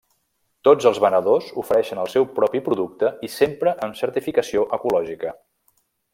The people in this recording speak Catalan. Tots els venedors ofereixen el seu propi producte i sempre amb certificació ecològica.